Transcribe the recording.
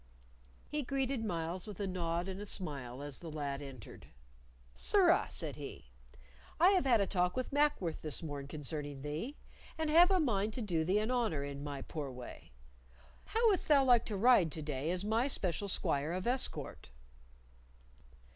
He greeted Myles with a nod and a smile as the lad entered. "Sirrah," said he, "I have had a talk with Mackworth this morn concerning thee, and have a mind to do thee an honor in my poor way. How wouldst thou like to ride to day as my special squire of escort?"